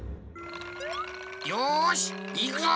よしいくぞ！